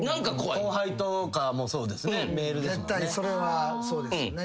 後輩とかもそうですねメールですもんね。